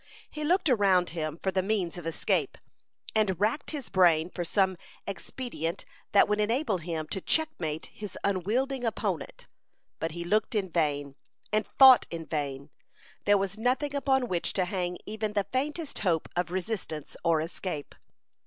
He looked around him for the means of escape, and racked his brain for some expedient that would enable him to checkmate his unwieldy opponent; but he looked in vain, and thought in vain. There was nothing upon which to hang even the faintest hope of resistance or escape.